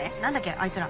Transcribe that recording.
あいつら。